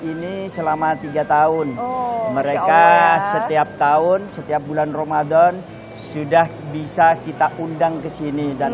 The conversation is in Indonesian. ini selama tiga tahun mereka setiap tahun setiap bulan ramadan sudah bisa kita undang ke sini dan